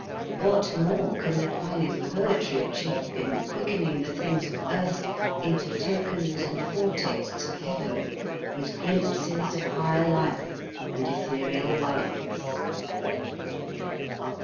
What more can the finest poetry achieve in quickening the things of earth into tokens and foretastes of heaven, with glimpses of higher life and ethereal worlds.